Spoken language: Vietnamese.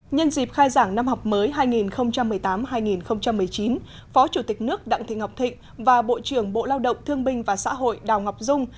nhân dịp khai giảng năm học mới hai nghìn một mươi tám hai nghìn một mươi chín phó chủ tịch nước đặng thị ngọc thịnh và bộ trưởng bộ lao động thương binh và xã hội đào ngọc dung